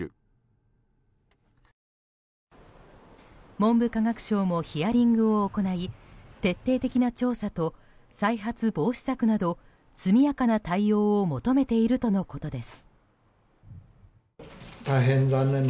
文部科学省もヒアリングを行い徹底的な調査と再発防止策など速やかな対応を求めているとのことです。